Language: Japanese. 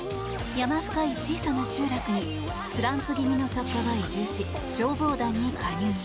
山深い小さな集落にスランプ気味の作家が移住し消防団に加入。